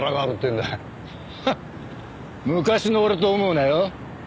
昔の俺と思うなよ。